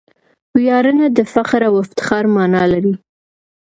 ویاړنه د فخر او افتخار مانا لري.